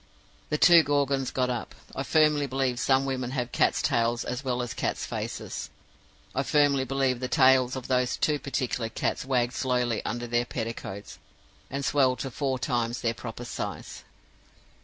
"The two Gorgons got up. I firmly believe some women have cats' tails as well as cats' faces. I firmly believe the tails of those two particular cats wagged slowly under their petticoats, and swelled to four times their proper size.